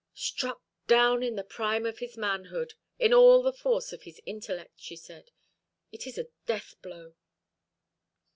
"Struck down in the prime of his manhood, in all the force of his intellect," she said. "It is a deathblow."